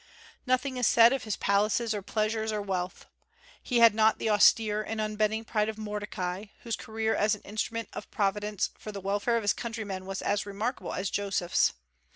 Nothing is said of his palaces, or pleasures, or wealth. He had not the austere and unbending pride of Mordecai, whose career as an instrument of Providence for the welfare of his countrymen was as remarkable as Joseph's.